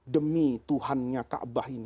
demi tuhannya ka'bah ini